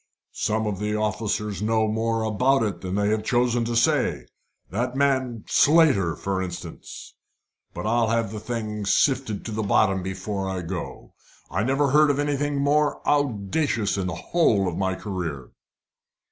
"Some of the officers know more about it than they have chosen to say that man Slater, for instance. But I'll have the thing sifted to the bottom before I go. I never heard of anything more audacious in the whole of my career."